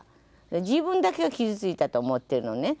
自分だけが傷ついたと思ってるのね。